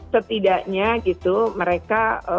setidaknya gitu mereka